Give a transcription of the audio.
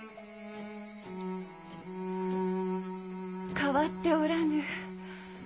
変わっておらぬ。